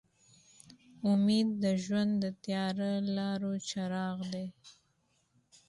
امید د ژوند د تیاره لارو څراغ دی.